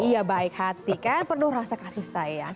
iya baik hati kan penuh rasa kasih sayang